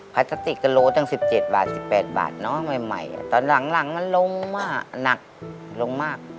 พลาสติกกะโลตั้ง๑๗บาท๑๘บาทเนาะใหม่ตอนหลังมันลงมากหนักลงมาก